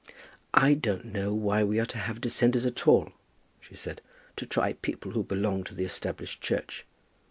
"I don't know why we are to have Dissenters at all," she said, "to try people who belong to the Established Church."